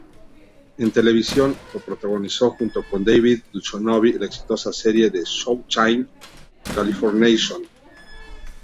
En televisión, co-protagonizó junto a David Duchovny la exitosa serie de Showtime "Californication".